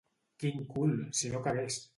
Quin cul... si no cagués!